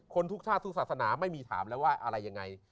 ทุกชาติทุกศาสนาไม่มีถามแล้วว่าอะไรยังไง